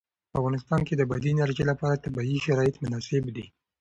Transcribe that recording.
په افغانستان کې د بادي انرژي لپاره طبیعي شرایط مناسب دي.